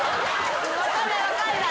分かんない分かんない。